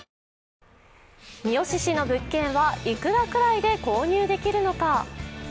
三次市の物件はいくらくらいで購入できるのか。